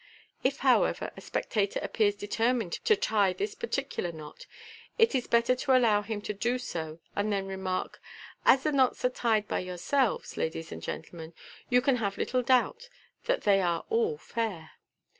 If, however, a spectator appears determined to tie this particular knot, it is better to allow him to do so, and then remark, " As the knots are tied by yourselves, ladies and gentlemen, you can have little doubt that they are all fair.